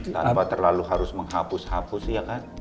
tanpa terlalu harus menghapus hapus ya kan